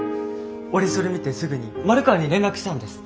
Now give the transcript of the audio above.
俺それ見てすぐに丸川に連絡したんです。